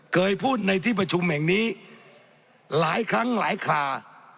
เคยพูดในที่ประชุมแห่งนี้หลายครั้งหลายครา